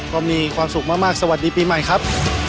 ก็มีความสุขมากสวัสดีปีใหม่ครับ